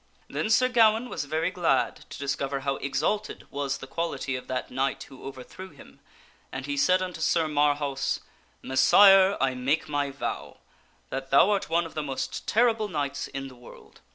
Then Sir Gawaine was very glad to discover how exalted was the qual ity of that knight who overthrew him and he said unto Sir Marhaus, " Messire, I make my vow, that thou art one of the most terrible knights in the world.